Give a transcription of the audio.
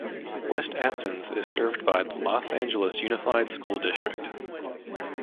West Athens is served by the Los Angeles Unified School District.